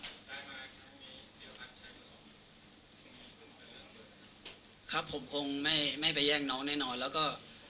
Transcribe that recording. ได้มาทั้งมีเดี๋ยวพัดใช้หนึ่งสองครับครับผมคงไม่ไม่ไปแย่งน้องแน่นอนแล้วก็